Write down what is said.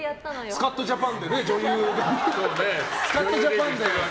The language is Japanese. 「スカッとジャパン」で女優をね。